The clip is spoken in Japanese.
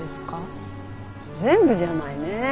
全部じゃないね。